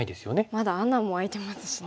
まだ穴も開いてますしね。